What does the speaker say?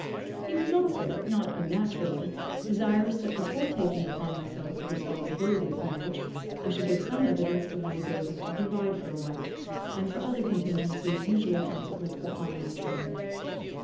He was also, not unnaturally, desirous that before taking upon myself the responsibility of marriage I should give some evidence of my ability to provide for a wife, and for other contingencies usually consequent upon matrimony.